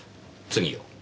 次を。